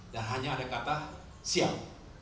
dan hanya ada kata siap